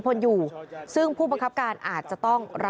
พตรพูดถึงเรื่องนี้ยังไงลองฟังกันหน่อยค่ะ